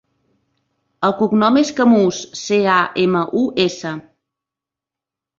El cognom és Camus: ce, a, ema, u, essa.